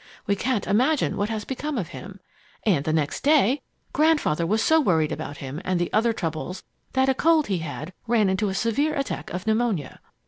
We can't imagine what has become of him. And the next day Grandfather was so worried about him and the other troubles that a cold he had ran into a severe attack of pneumonia.